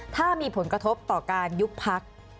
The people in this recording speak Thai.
ถ้ามีผลกระทบต่อการยุบพัก